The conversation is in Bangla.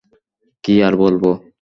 কী আর বলব!